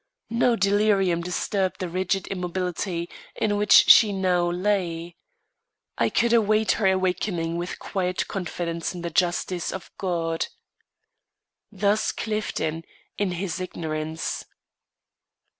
No delirium disturbed the rigid immobility in which she now lay. I could await her awakening with quiet confidence in the justice of God. Thus Clifton, in his ignorance.